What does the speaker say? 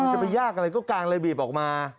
อยากไปยากอะไรก็กลางระเบียบออกมา